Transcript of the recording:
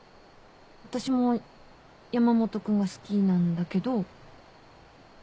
私も山本君が好きなんだけど。